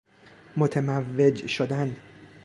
متموج شدن